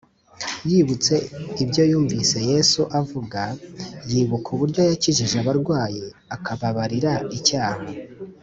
yibutse ibyo yumvise yesu avuga, yibuka uburyo yakijije abarwayi, akababarira icyaha